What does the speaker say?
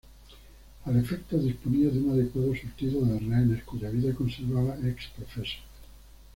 Al efecto disponía de un adecuado surtido de rehenes cuya vida conservaba ex profeso.